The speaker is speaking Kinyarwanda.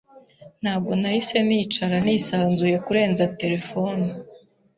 Ntabwo nahise nicara nisanzuye kurenza telefone. .